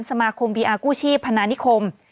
สมาคมบีอาร์กู้ชีพพนานิคม